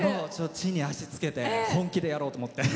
地に足をつけて本気でやろうと思って。